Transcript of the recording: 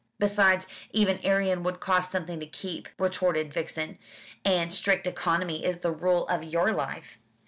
"Besides, even Arion would cost something to keep," retorted Vixen, "and strict economy is the rule of your life.